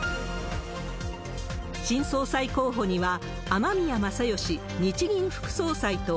新総裁候補には、雨宮正佳日銀副総裁と、